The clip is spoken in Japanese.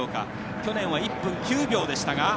去年は１分９秒でした。